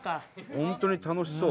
本当に楽しそう。